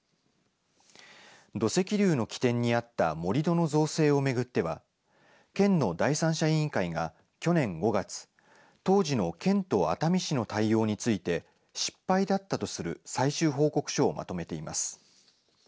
土石流の起点にあった盛り土の造成を巡っては県の第三者委員会が去年５月当時の県と熱海市の対応について失敗だったとする最終報告書をまとめています。